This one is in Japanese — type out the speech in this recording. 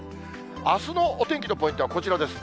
あすのお天気のポイントはこちらです。